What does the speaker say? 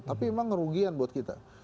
tapi memang kerugian buat kita